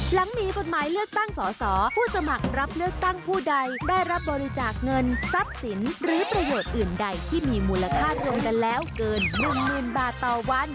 หลังมีกฎหมายเลือกตั้งสอสอผู้สมัครรับเลือกตั้งผู้ใดได้รับบริจาคเงินทรัพย์สินหรือประโยชน์อื่นใดที่มีมูลค่ารวมกันแล้วเกิน๑๐๐๐บาทต่อวัน